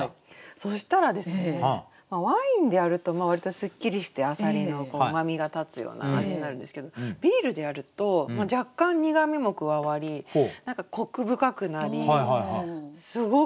そしたらですねワインでやると割とスッキリしてあさりのうまみが立つような味になるんですけどビールでやると若干苦みも加わり何かコク深くなりすごくおいしい！